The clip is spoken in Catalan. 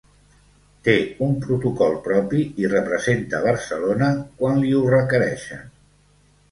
Té un protocol propi i representa Barcelona quan li ho requereixen.